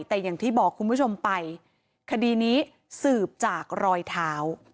แต่อย่างที่บอกคุณผู้ชมไปคดีนี้สืบจากรอยเท้า